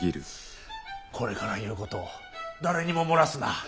これから言うこと誰にも漏らすな。